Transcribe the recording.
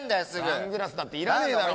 サングラスだっていらねえだろ。